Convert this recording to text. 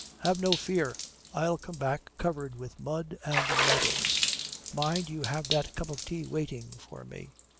Have no fear. I'll come back, covered with mud and medals. Mind you have that cup of tea waiting for me.'